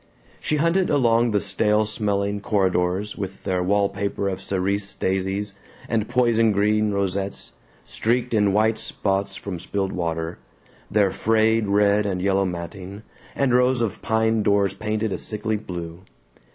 She hunted along the stale smelling corridors with their wallpaper of cerise daisies and poison green rosettes, streaked in white spots from spilled water, their frayed red and yellow matting, and rows of pine doors painted a sickly blue.